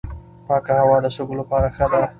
پاکه هوا د سږو لپاره ښه ده.